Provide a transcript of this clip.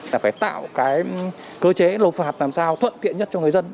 là phải tạo cái cơ chế lột phạt làm sao thuận kiện nhất cho người dân